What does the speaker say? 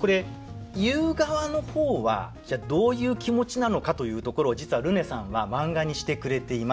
これ言う側の方はじゃあどういう気持ちなのかというところを実はルネさんは漫画にしてくれています。